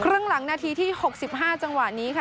ครึ่งหลังนาทีที่๖๕จังหวะนี้ค่ะ